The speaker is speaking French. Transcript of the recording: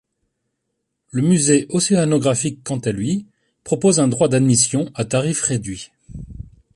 Le Musée Océanographique quant à lui propose un droit d’admission à tarif réduit.